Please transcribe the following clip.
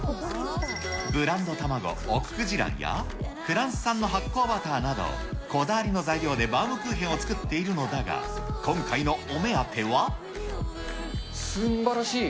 ブランド卵、奥久慈卵やフランス産の発酵バターなど、こだわりの材料でバウムクーヘンを作っているのだが、今回のお目すんばらしい！